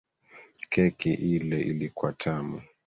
Keki ile ilikuwa tamu.